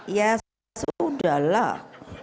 ya sudah lah